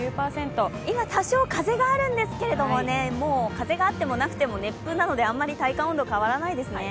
今、多少風があるんですが、風があってもなくても熱風なのであまり体感温度は変わらないですね。